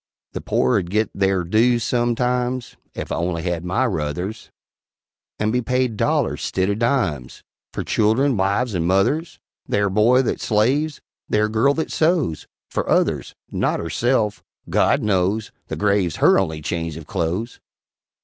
The pore 'ud git theyr dues _some_times Ef I only had my ruthers, And be paid dollars 'stid o' dimes, Fer children, wives and mothers: Theyr boy that slaves; theyr girl that sews Fer others not herself, God knows! The grave's her only change of clothes!